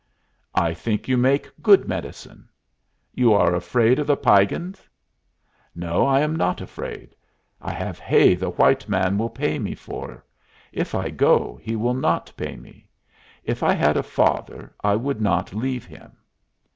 "I think you make good medicine." "You are afraid of the Piegans." "No, I am not afraid. I have hay the white man will pay me for. If I go, he will not pay me. If I had a father, I would not leave him."